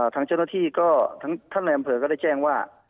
ทางเจ้าหน้าที่ก็ได้แจ้งว่า